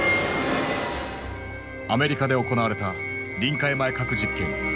アメリカで行われた臨界前核実験。